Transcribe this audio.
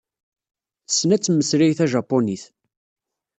Tessen ad temmeslay tajapunit.